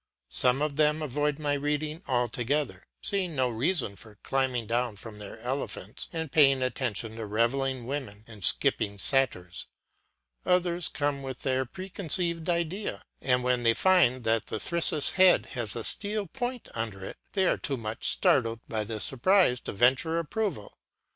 Some of them avoid my readings altogether, seeing no reason for climbing down from their elephants and paying attention to revelling women and skipping satyrs; others come with their preconceived idea, and when they find that the thyrsus head has a steel point under it, they are too much startled by the surprise to venture approval.